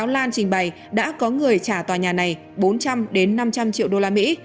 sáu lan trình bày đã có người trả tòa nhà này bốn trăm linh năm trăm linh triệu đô la mỹ